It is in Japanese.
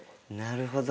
なるほど。